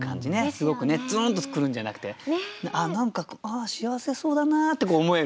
すごくズーンと来るんじゃなくてああ何か幸せそうだなって思える。